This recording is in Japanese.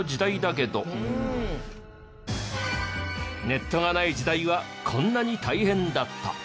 ネットがない時代はこんなに大変だった。